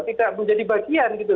tidak menjadi bagian gitu